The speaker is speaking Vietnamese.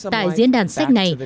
tại diễn đàn sách này